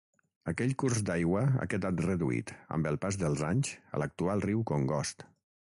Aquell curs d'aigua ha quedat reduït, amb el pas dels anys, a l'actual riu Congost.